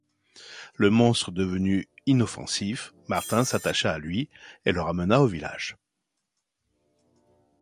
Le monstre devenu inoffensif, Martin s'attacha à lui, et le ramena au village.